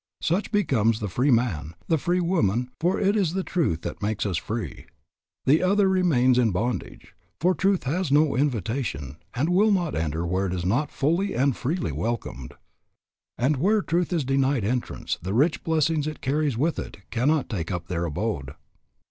Such becomes the free man, the free woman, for it is the truth that makes us free. The other remains in bondage, for truth has had no invitation and will not enter where it is not fully and freely welcomed. And where truth is denied entrance the rich blessings it carries with it cannot take up their abode.